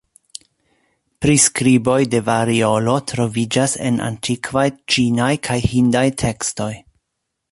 Priskriboj de variolo troviĝas en antikvaj ĉinaj kaj hindaj tekstoj.